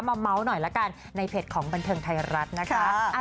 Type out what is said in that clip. เมาส์หน่อยละกันในเพจของบันเทิงไทยรัฐนะคะ